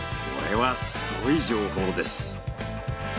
これはすごい情報です。